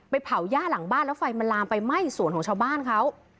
เผาย่าหลังบ้านแล้วไฟมันลามไปไหม้สวนของชาวบ้านเขา